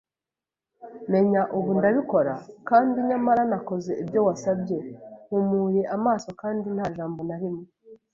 menya, ubu, ndabikora? Kandi nyamara nakoze ibyo wasabye mpumuye amaso kandi nta jambo na rimwe